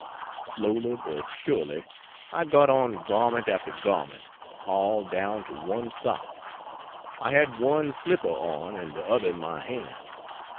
Slowly but surely I got on garment after garment all down to one sock; I had one slipper on and the other in my hand.